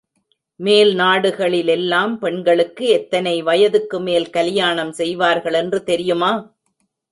மேல் நாடுகளிலெல்லாம் பெண்களுக்கு எத்தனை வயதுக்குமேல் கலியாணம் செய்வார்கள் என்று தெரியுமா?